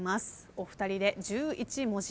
お二人で１１文字。